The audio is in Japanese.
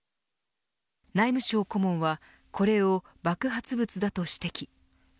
内務省顧問は、これを爆発物だと指摘。